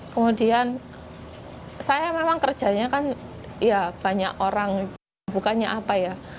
kemudian saya memang kerjanya kan ya banyak orang bukannya apa ya